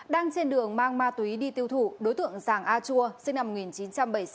đang trên đường mang ma túy đi tiêu thụ đối tượng giàng a chua sinh năm một nghìn chín trăm bảy mươi sáu